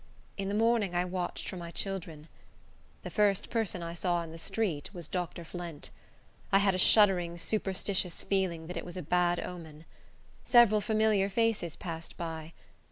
In the morning I watched for my children. The first person I saw in the street was Dr. Flint. I had a shuddering, superstitious feeling that it was a bad omen. Several familiar faces passed by.